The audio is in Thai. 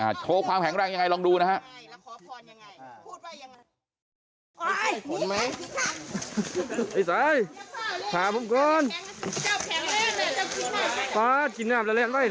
โชว์ความแข็งแรงยังไงลองดูนะฮะ